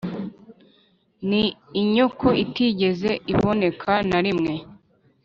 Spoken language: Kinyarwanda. Ni inyoko itigeze iboneka na rimwe,